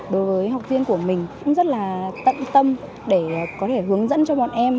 đối với học viên của mình cũng rất là tận tâm để có thể hướng dẫn cho bọn em